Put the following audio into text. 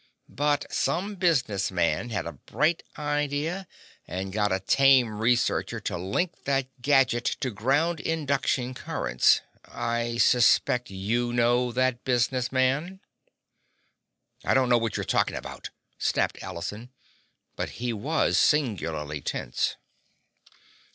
But some businessman had a bright idea and got a tame researcher to link that gadget to ground induction currents. I suspect you know that businessman!" "I don't know what you're talking about," snapped Allison. But he was singularly tense.